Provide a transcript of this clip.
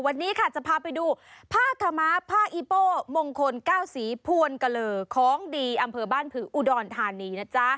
วันนี้ค่ะจะพาไปดูผ้าขม้าผ้าอีโป้มงคลเก้าสีพวนกะเลอของดีอำเภอบ้านผืออุดรธานีนะจ๊ะ